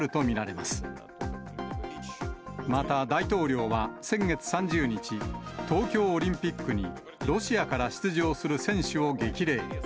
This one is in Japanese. また大統領は先月３０日、東京オリンピックに、ロシアから出場する選手を激励。